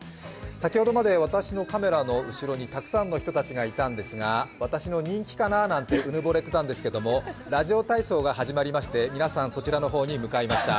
先ほどまで私のカメラの後ろにたくさんの人たちがいたんですが私の人気かななんてうぬぼれていたんですが、ラジオ体操が始まりまして皆さんそちらの方に向かいました。